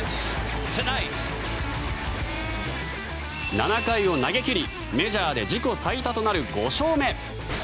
７回を投げ切りメジャーで自己最多となる５勝目。